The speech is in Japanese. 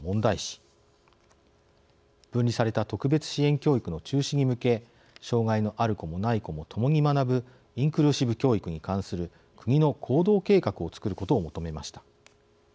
分離された特別支援教育の中止に向け障害のある子もない子も共に学ぶインクルーシブ教育に関する国の行動計画を作ることを求めました。